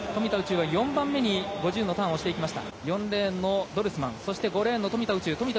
宇宙は４番目に５０のターンをしていきました。